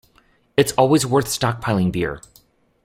It’s always worth stockpiling beer.